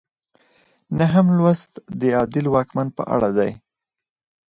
نهم لوست د عادل واکمن په اړه دی.